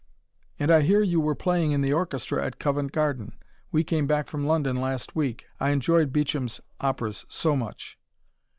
"And I hear you were playing in the orchestra at Covent Garden. We came back from London last week. I enjoyed Beecham's operas so much."